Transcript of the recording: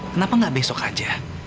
kenapa nggak besok aja